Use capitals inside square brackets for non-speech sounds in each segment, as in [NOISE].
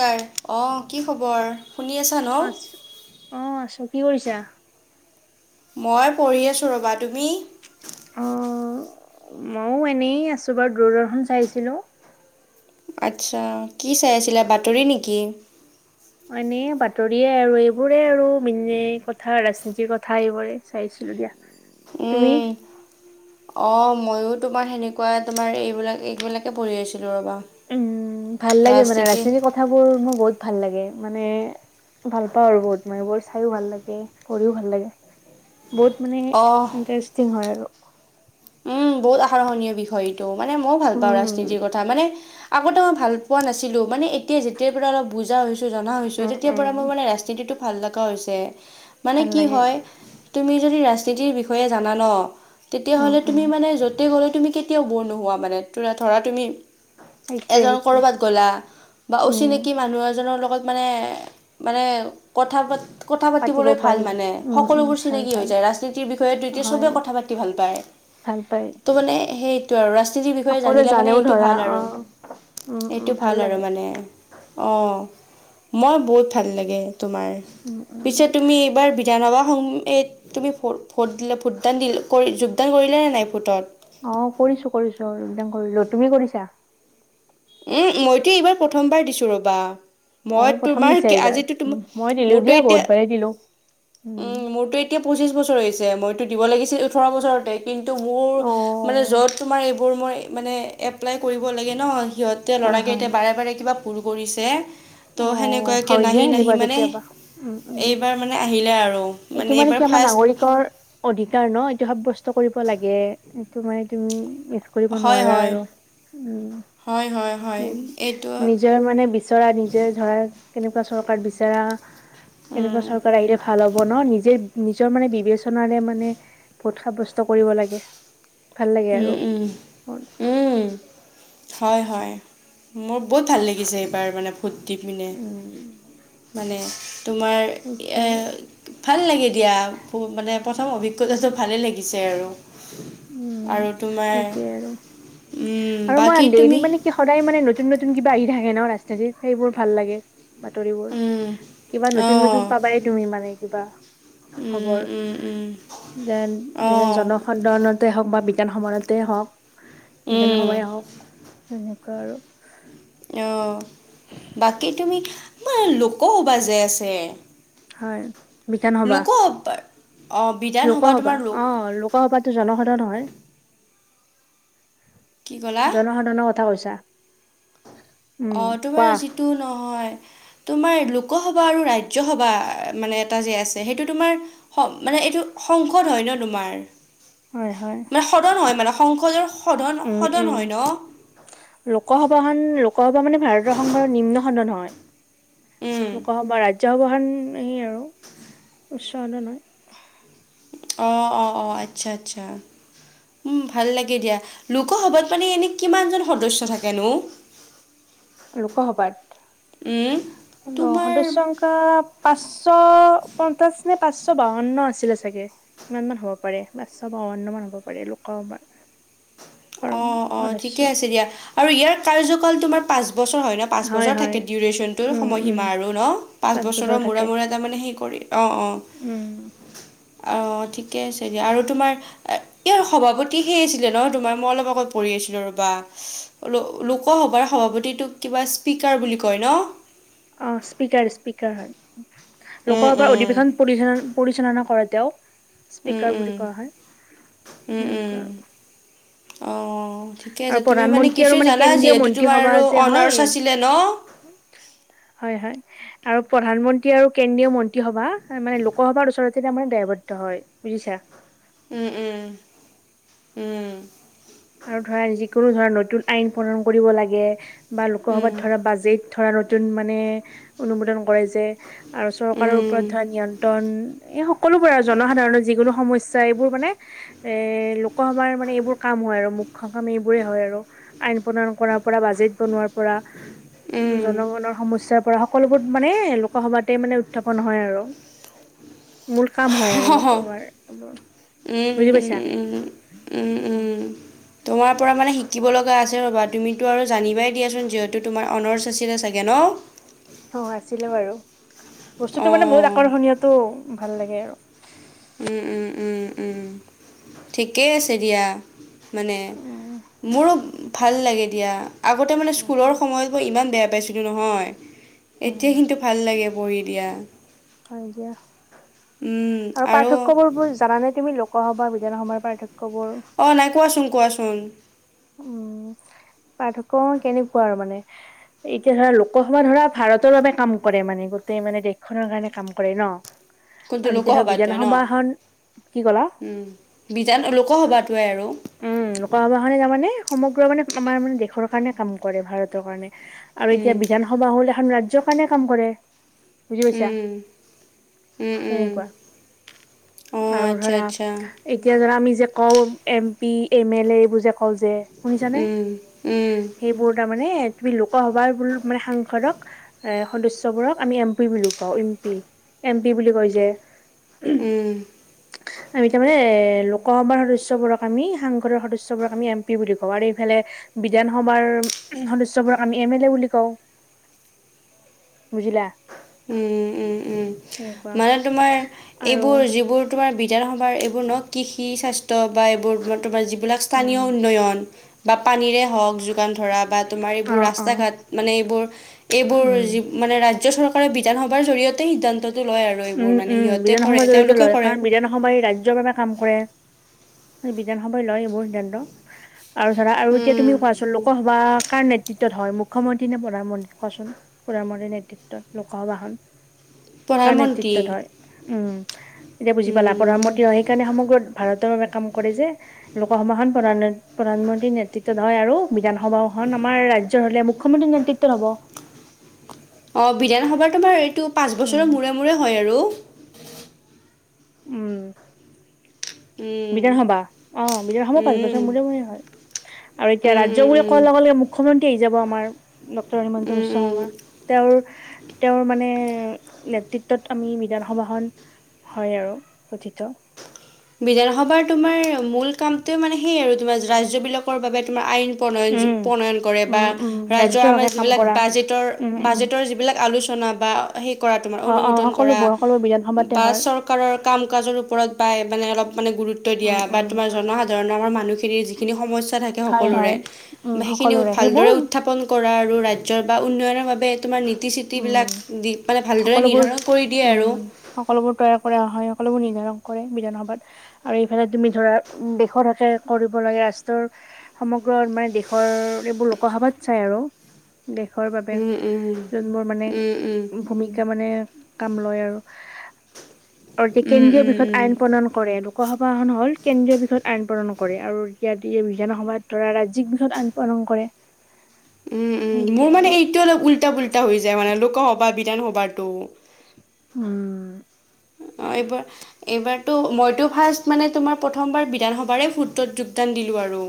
কৰ অঁ কি খবৰ শুনি আছা অ ন আছো অ আছো কি কৰিছা মই পঢ়ি আছোঁ ৰ'বা তুমি অ ময়ো এনেই আছো বাৰু দূৰদৰ্শন চাইছিলো আচ্ছা কি চাই আছিলা বাতৰি নেকি এনে বাতৰিয়ে আৰু, এইবোৰে আৰু মিনে কথা, ৰাজনীতিৰ কথা এইবোৰে। চাইছিলো দিয়া। তুমি উম। অ', মইয়ো তোমাৰ সেনেকুৱা তোমাৰ, এইবিলাক, এইবিলাকে পঢ়ি আছিলো ৰ'বা। উম, ভাল লাগে, মানে ৰাজনীতি ৰাজনীতিৰ কথাবোৰ মোৰ বহুত ভাল লাগে। মানে ভাল পাওঁ আৰু বহুত, মানে চাইয়ো ভাল লাগে, পঢ়িও ভাল লাগে। বহুত মানে অঁ ইণ্টাৰেষ্টিং হয় আৰু। উম, বহুত আকৰ্ষণীয় বিষয় এইটো, মানে মইও ভাল উম পাওঁ ৰাজনীতিৰ কথা, মানে আগতে মই ভাল পোৱা নাছিলোঁ, মানে এতিয়া যে যেতিয়াৰ পৰা অলপ বুজা হৈছোঁ, জনা হৈছোঁ, উম তেতিয়াৰ পৰা মোৰ উম মানে ৰাজনীতিটো ভাল লগা হৈছে। মানে ভাল কি লাগে হয়, তুমি যদি ৰাজনীতিৰ বিষয়ে জানা ন, তেতিয়া উম হ'লে উম তুমি মানে য য'তে গ'লে, তুমি কেতিয়াও ব'ৰ নোহোৱা মানে, ধৰা তুমি এ সেইটোৱে ধৰ সেইটোৱে ক'ৰবাত গ'লা বা উম অচিনাকি মানুহ এজনৰ লগত মানে, মানে কথা পাত কথা পাতিব পাতিবলৈ ভাল পাৰি মানে, উম উম সকলোবোৰ ভাল চিনাকি ভাল হৈ যায়। ৰাজনীতিৰ বিষয়েটো এতিয়া সবে কথা পাতি ভাল পায়। ভালপায়। ত' মানে হেই টো আৰু, ৰাজনীতিৰ বিষয়ে জানিলে মানে জানেও এইটো ধৰা ভাল অ আৰু, উম উম এইটো ভাল আৰু লাগে মানে। অ', মই বহুত ভাল লাগে তোমাৰ, উম উম পিছে তুমি এইবাৰ বি বিধানসভা ইত তুমি ভো ভোট দিলে ভোটদান দিল কৰি যোগদান কৰিলা নে নাই ভোটত? অ', কৰিছোঁ, কৰিছোঁ একদম কৰিলো। তুমি কৰিছা? উম, মইতো এইবাৰ প্ৰথমবাৰ দিছো ৰবা। অ মই প্ৰথম তোমাৰ দিছা এইবাৰ আজিটো তুমি, উম, মই দিলো মোৰতো দিয়া এতিয়া, বহুতবাৰেই দিলো উম, মোৰতো এতিয়া পঁচিশ বছৰ হৈছে, মইতো দিব লাগিছিল ওঠৰ বছৰতে। কিন্তু মোৰ মানে অ', য'ত তোমাৰ এই বোৰ মই মানে এপ্লাই কৰিব লাগে ন, সিহঁতে হয় ল'ৰা হয় কেইটাই বাৰে বাৰে কিবা ভুল কৰিছে। ত' অ সেনেকুৱাকে হয় দিয়া নাহি, নাহি সেনেকুৱা মানে, কেতিয়াবা উম উম এইবাৰ মানে আহিলে আৰু। এইটো মানে এইবাৰ কি, আমাৰ ফাৰ্ষ্ট নাগৰিকৰ অধিকাৰ ন, এইটো সাব্যস্ত কৰিব লাগে। এইটো মানে তুমি মিছ কৰিব হয় নোৱাৰা হয় আৰু। উম, হয় হয় হয় উম এইটো নিজৰে মানে বিছ বিচৰা, নিজে ধৰা কেনেকুৱা চৰকাৰ বিচৰা, কেনেকুৱা উম চৰকাৰ আহিলে ভাল হ'ব ন। নিজে নিজৰ মানে, বিবেচনাৰে মানে ভোট সাব্যস্ত কৰিব লাগে। ভাল লাগে উম, আৰু উম। উম, হয়, হয়, মোৰ বহুত ভাল লাগিছে এইবাৰ মানে। ভোট দি পিনে, মানে তোমাৰ এ সেইটোৱে আৰু ভাল লাগে দিয়া, মানে প্ৰথম অভিজ্ঞতাটো ভালেই লাগিছে আৰু। উম, আৰু তোমাৰ সেইটোয়ে আৰু। আৰু মই বাকী তুমি [UNINTELLIGIBLE] মানে সদায় মানে, নতুন, নতুন কিবা আহি থাকে ন ৰাজনীতিত সেইবোৰ ভাল লাগে। বাতৰিবোৰ, কিবা নতুন, অঁ নতুন পাবাই তুমি মানে কিবা। খবৰ, দেন যেনে অঁ জনসাধাৰণত তে হওক বা [UNINTELLIGIBLE] হওক বিধান সভাই হওক তেনেকুৱা আৰু। অ', বাকী তুমি, আমাৰ লোকসভা যে আছে হয়। বিধান সভা লোক সভাৰ অঁ বিধানসভা লোকসভা, তোমাৰ অ', লোকসভাতো জনসাধাৰণৰ হয়। কি ক'লা জনসাধাৰণৰ কথা কৈছা? উম অ', তোমাৰ কোৱা। যিটো, নহয় তোমাৰ লোকসভা আৰু ৰাজ্যসভা মানে এটা যে আছে, সেইটো তোমাৰ সম মানে এইটো সংসদ হয় ন তোমাৰ। হয়, হয়। মানে সদন হয় মানে, সংসদৰ সদন উম সদন উম হয় ন। লোকসভাখন, লোকসভা মানে ভাৰতৰ সংসদৰ নিম্ন সদন হয়। উম লোকসভা, ৰাজ্যসভাখন এই আৰু উচ্চ সদন হয়। অ', অ', অ', আচ্ছা, আচ্ছা। উম, ভাল লাগে দিয়া, লোকসভাত মানে এনে কিমান জন সদস্য থাকেনো? [INAUDIBLE] লোকসভাত উম, [UNINTELLIGIBLE] তোমাৰ সদস্য পাঁচশ পঞ্চাশ নে, পাঁচশ বাৱন্ন আছিলে চাগে। ইমান মান হ'ব পাৰে, পাঁচশ বাউন্ন পাৰে লোকসভাত। অ', অ', ঠিকে আছে দিয়া। আৰু ইয়াৰ কাৰ্যকাল তোমাৰ পাঁচ বছৰ হয় ন? পাঁচ হয় বছৰ হয় থাকে ডিউৰেচনতোৰ উম উম সময়সীমা আৰু ন? পাঁচ বছৰ বছৰৰ মূৰে থাকে মূৰে তাৰমানে হেই কৰি অ', অ'। উম। অ', ঠিকে আছে দিয়া। আৰু তোমাৰ ইয়াৰ সভাপতি সেই আছিলে ন তোমাৰ মই অলপ আগত পঢ়ি আছিলোঁ ৰ'বা লোকসভাৰ সভাপতিটোক কিবা স্পীকাৰ বুলি কয় ন। অ', স্পীকাৰ স্পীকাৰ হয়। উম লোকসভাৰ উম অধিৱেশন পৰিচ পৰিচালনা কৰে তেওঁ। উম স্পীকাৰ উম বুলি কোৱা হয়, সেনেকুৱা আৰু। অ', অ'। ঠিকে আৰু আছে, তুমি মানে প্ৰধানমন্ত্ৰী আৰু কিছু জানা কেন্দ্ৰীয় যিহেতু, মন্ত্ৰী তোমাৰ সভা আৰু যে হয় অনাৰছ আছিলে ন। হয়, হয়। আৰু প্ৰধানমন্ত্ৰী আৰু কেন্দ্ৰীয় মন্ত্ৰী সভা মানে, লোকসভাৰ ওচৰতে তাৰ মানে দায়বদ্ধ হয়। বুজিছা? উম, উম, উম। আৰু ধৰা, যিকোনো ধৰা নতুন আইন প্ৰণয়ন কৰিব লাগে, বা লোকসভাত ধৰা বাজেট ধৰা নতুন মানে অনুমোদন কৰে যে, আৰু চৰকাৰৰ ওপৰত উম ধৰা নিয়ন্ত্ৰণ এই সকলোবোৰ আৰু জনসাধাৰণৰ যিকোনো সমস্যা এইবোৰ মানে এ লোক লোকসভাৰ মানে এইবোৰ কাম হয় আৰু মুখ্য কাম এইবোৰে হয়, আৰু আইন প্ৰণয়ন কৰা। বাজেট বনোৱাৰ পৰা উম জনগণৰ সমস্যা পৰা হওঁক সকলোবোৰ মানে লোকসভাতে মানে উত্থাপন হয় আৰু। মূল উম কাম হয়, আৰু লোকসভাৰ উম, বুজি পাইছা। উম, উম, উম, উম। তোমাৰ পৰা মানে শিকিব লগা আছে ৰ'বা, তুমিতো আৰু জানিবাই দিয়াচোন যিহেতু তোমাৰ অনাৰ্চ আছিলে ছাগে। গে ন'। অ', আছিলে বাৰু, বস্তুটো মানে বহুত অঁ আকৰ্ষণীয়টো, ভাল লাগে আৰু। উম, উম, উম, উম, ঠিকেই আছে দিয়া। মানে উম মোৰো ভাল লাগে দিয়া, আগতে মানে উম স্কুলৰ সময়ত মই ইমান বেয়া পাইছিলোঁ নহয়, এতিয়া উম কিন্তু ভাল লাগে পঢ়ি দিয়া। হয় দিয়া। উম। আৰু পাৰ্থক্যবোৰ বোৰ জানানে তুমি? লোকসভা, বিধানসভাৰ পাৰ্থক্যবোৰ? অ', নাই কোৱাচোন, কোৱাচোন। উম, পাৰ্থ্যক কেনেকুৱা আৰু মানে এতিয়া ধৰা, লোকসভা ধৰা ভাৰতৰ বাবে কাম কৰে মানে গোটেই মানে দেশখনৰ কাৰণে কাম কৰে ন। কোনটো আৰু এতিয়া ধৰ লোকসভাটোৱে ন বিধানসভাখন, কি ক'লা? বিধান লোকসভাটোৱে আৰু। উম, লোকসভা খন তাৰমানে, সমগ্ৰ মানে আমাৰ মানে দেশৰ কাৰণে কাম কৰে ভাৰতৰ কাৰণে। আৰু এতিয়া উম। বিধানসভা হ'ল এখন ৰাজ্যৰ কাৰণে কাম কৰে। বুজি পাইছা, তেনেকুৱা। আৰু ধৰা এতিয়া ধৰা আমি যে কওঁ M P, M L A এইবোৰ যে হ'ল যে শুনিছানে উম, উম, সেইবোৰ তাৰমানে তুমি লোকসভাৰ বু মানে সাংসদক এ, সদস্যবোৰক আমি এম পি বুলিও কওঁ এম পি, এম পি বুলি কয় যে উম। এতিয়া তাৰমানানে এ, লোকসভাৰ সদস্যবোৰক আমি সাংসদৰ সদস্যবোৰক আমি এম পি বুলি কওঁ আৰু এইফালে বিধানসভাৰ সদস্যবোৰক আমি এম এল এ বুলি কওঁ। [INAUDIBLE] বুজিলা? উম, উম, উম, এনেকুৱা মানে তোমাৰ আৰু এইবোৰ যিবোৰ তোমাৰ বিধানসভাৰ এইবোৰ ন' কৃষি স্বাস্থ্য বা এইবোৰ তোমাৰ যি বিলাক উম স্থানীয় উন্নয়ন বা পানীৰে হওক যোগান ধৰা বা তোমাৰ অ এইবোৰ অ ৰাস্তা ঘাট মানে এইবোৰ, এইবোৰ উম যি মানে ৰাজ্য চৰকাৰে বিধানসভাৰ জৰিয়তে সিদ্ধান্তটো লয় আৰু। উম, এইবোৰ মানে উম, সিহঁতে কৰে বিধানসভাৰ জৰিয়তে তেওঁলোকে লয় কৰে কাৰণ বিধান সবাই ৰাজ্যৰ বাবে কাম কৰে, বিধানসভাই লয় এইবোৰ সিদ্ধান্ত। আৰু ধৰা, আৰু এতিয়া উম, তুমি কোৱাচোন লোকসভা কাৰ নেতৃত্ব তত হয়, মুখ্যমন্ত্ৰী নে প্ৰধানমন্ত্ৰী কচোন, প্ৰধানমন্ত্ৰীৰ নেতৃত্বত লোকসভাখন? কাৰ প্ৰধানমন্ত্ৰী নেতৃত্বত হয়? উম এতিয়া বুজি পালা উম প্ৰধানমন্ত্ৰীই সেইকাৰণে সমগ্ৰ ভাৰতৰ বাবে কাম কৰে যে লোকসভাখন প্ৰধান প্ৰধানমন্ত্ৰীৰ নেতৃত্ব ত' নহয় আৰু বিধানসভাখন আমাৰ ৰাজ্যৰ হ'লে মুখ্যমন্ত্ৰীৰ নেতৃত্বত হ'ব। অ' বিধানসভা তোমাৰ এইটো পাঁচ উম বছৰৰ মূৰে মূৰে হয় আৰু। উম। উম বিধানসভা, অ' বিধানসভা পাঁচ উম বছৰ মূৰে মূৰে হয়। আৰু এতিয়া উম উম ৰাজ্যবোৰে কোৱাৰ লগে উম লগে মুখ্যমন্ত্ৰী আহি যাব আমাৰ ডক্টৰ হিমন্ত উম বিশ্ব শৰ্মা। উম তেওঁৰ, তেওঁৰ মানে নেতৃত্বত আমি বিধানসভাখন হয় আৰু গঠিত। বিধানসভাৰ তোমাৰ মূল কামটোৱে মানে সেই আৰু তোমাৰ ৰাজ্যবিলাকৰ বাবে তোমাৰ আইন প্ৰণয়নজি উম প্ৰণয়ন কৰে বা উম উম ৰাজ্যৰ আমাৰ হকে কাম যিবিলাক কৰা বাজেটৰ উম উম বাজেটৰ যিবিলাক আলোচনা বা হে, কৰা তোমাৰ অ অ অনুমোদন কৰা সকলোবোৰ সকলো বিধানসভাতে বা হয় চৰ কাৰৰ কাম কাজৰ ওপৰত পায় মানে অলপ মানে গুৰুত্ব ত্ব দিয়া উম বা উম তোমাৰ জনসাধাৰণৰ বা মানুহখিনিৰ যিখিনি সমস্যা থাকে হয় সকলোৰে হয় উম বা সেইখিনি সকলোৰে সেইবোৰ ভালদৰে উত্থাপন কৰা আৰু ৰাজ্যৰ বা উন্নয়নৰ বাবে তোমাৰ নীতি চিতিবিলাক উম দি মানে ভালদৰে সকলোবোৰ নিৰ্ধাৰণ কৰি দিয়ে উম আৰু। সকলোবোৰ তৈয়াৰ কৰা হয়, সকলোবোৰ নিৰ্ধাৰণ কৰে বিধানসভাত। আৰু এইফালে তুমি ধৰা দেশৰ হকে কৰিব লাগে ৰাষ্ট্ৰৰ সমগ্ৰ মানে দেশৰ এইবোৰ লোকসভাত চাই আৰু, দেশৰ বাবে উম উম। যুনবোৰ মানে উম উম ভূমিকা মানে কাম লয় আৰু। আৰু যে উম, কেন্দ্ৰীয় উম, বিষয় উম। আইন প্ৰণন কৰে, লোকসভাখন হ'ল কেন্দ্ৰীয় বিষয়ত আইন প্ৰদন কৰে আৰু ইয়াত বিধানসভাত ধৰা ৰাজ্যিক বিষয়ত আইন পালন কৰে। [INAUDIBLE] উম, উম, মোৰ সেইটোৱে মানে আৰু এইটো অলপ উল্টা পল্টা হৈ যায় মানে লোকসভা বিধানসভাটো। উম। অ' এইবোৰ এইবাৰতো মইতো ফাৰ্ষ্ট মানে তোমাৰ প্ৰথমবাৰ বিধানসভাৰে ভোটত যোগদান দিলোঁ আৰু।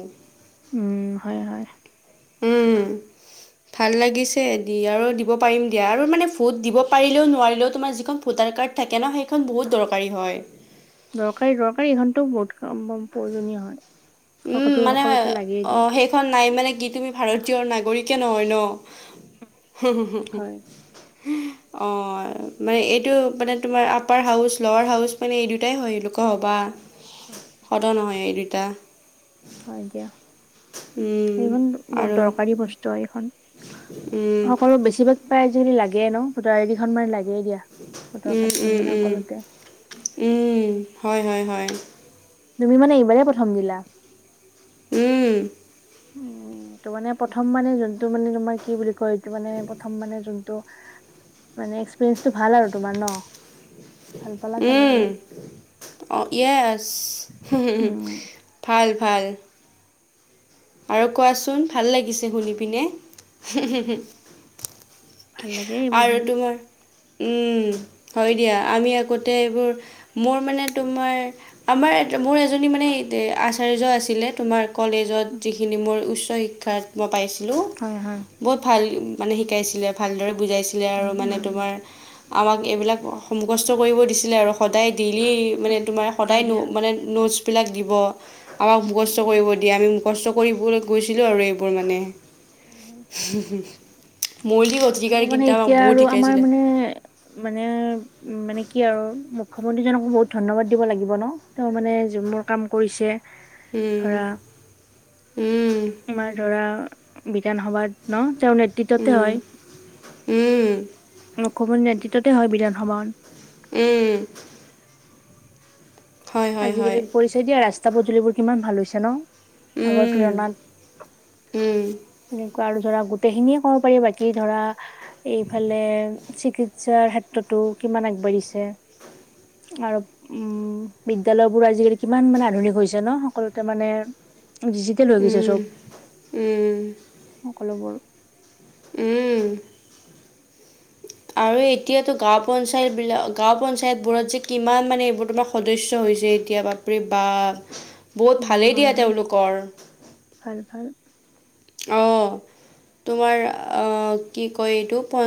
উম, হয় হয়। উম। ভাল লাগিছে দি আৰু দিব পাৰিম দিয়া আৰু। মানে ভোট দিব পাৰিলেও নোৱাৰিলেও তোমাৰ যিখন ভোটাৰ কাৰ্ড থাকে ন সেইখন বহুত দৰকাৰী হয়। দৰকাৰী দৰকাৰী এইখনতো বহুত [UNINTELLIGIBLE] প্ৰয়োজনীয় হয় উম, হ'কতো মানে সকলোতে লাগিয় দিয়া অ', প্ৰায়। সেইখন নাই মানে কি তুমি ভাৰতীয় নাগৰিকে নহয় ন! হয়। [INAUDIBLE] অ', মানে এইটো মানে তোমাৰ আপাৰ হাউচ লৱাৰ হাউচ মানে এই দুটাই হয়। লোকসভা উম। সদন হয় এই দুইটা। হয় দিয়া, উম, সেইখন বহুত আৰু দৰকাৰী বস্তু ভোটৰ এইখন উম, সকলো বেছিভাগ পায় আজিকালি লাগে ন ভোটাৰ আইডিখন মানে লাগেই দিয়া। ভোটৰ উম, কাৰ্ডখন উম, মানে উম, সকলোতে। উম, হয়, হয়, হয়। তুমি মানে এইবাৰেই প্ৰথম দিলা? উম। উম, তো মানে প্ৰথম মানে যোনটো মানে তোমাৰ কি বুলি কয় মানে প্ৰথম মানে যোনটো মানে এক্সপিৰিয়েঞ্চটো ভাল আৰু তোমাৰ ন? ভাল পালা চাগে উম, বহুত অ' ইয়েছ। উম ভাল ভাল। আৰু কোৱাচোন ভাল লাগিছে শুনি পিনে। ভাল লাগে এইবোৰ আৰু শুনি। তোমাৰ উম হয় দিয়া। আমি আগতে এইবোৰ মোৰ মানে তোমাৰ আমাৰ মোৰ এজনী মানে আচাৰ্য আছিলে। তোমাৰ কলেজত উম উম। যিখিনি মোৰ উচ্চ শিক্ষাত মই পাইছিলো। হয়, হয়। বহুত ভাল মানে শিকাইছিলে ভালদৰে বুজাইছিলে আৰু উম মানে উম তোমাৰ। আমাক এইবিলাক মুখস্থ কৰিব দিছিলে আৰু সদায় ডেইলি মানে উম তোমাৰ হয় সদায় দিয়া। ন-মানে নোটছবিলাক দিব আমাক উম মুখস্থ উম কৰিব দিয়ে। আমি মুখস্থ কৰি [UNINTELLIGIBLE] গৈছিলো আৰু মানে। হয় হয়। মৌলিক অধি আৰু মানে এতিয়া আৰু আমাৰ মানে মানে উম, মানে কি আৰু মুখ্যমন্ত্ৰীজনক বহুত ধন্যবাদ দিব লাগিব ন তেওঁ মানে যোনবোৰ কাম কৰিছে৷ উম। ধৰা উম, আমাৰ ধৰা বিধানসভাত ন তেওঁ উম, উম। মুখ্যমন্ত্ৰীৰ নেতৃত্বতে হয় বিধানসভাখন। উম। [INAUDIBLE] হয় হয় হয় আজিকালি কৰিছে দিয়া ৰাস্তা পদূলিবোৰ কিমান ভাল হৈছে ন আগৰ উম, তুলনাত। উম। তেনেকুৱা আৰু ধৰা গোটেইখিনিয়ে ক'ব পাৰি বাকী ধৰা এইফালে চিকিৎসাৰ ক্ষেত্ৰতো কিমান আগবাঢ়িছে আৰু উম, বিদ্যালয়বোৰ আজিকালি কিমান মানে আধুনিক হৈছে ন, সকলোতে মানে ডিজিটেল হৈ গৈছে উম, চব। উম। [INAUDIBLE] উম। আৰু এতিয়াতো গাওঁ পঞ্চায়তবিলাক গাওঁ পঞ্চায়তবোৰত যে কিমান মানে এইবোৰ তোমাৰ সদস্য হৈছে এতিয়া বাপৰে বাপ। বহুত উম ভালেই হয় দিয়া হয় তেওঁলোকৰ। ভাল ভাল। অ', তোমাৰ কি কয় এইটো প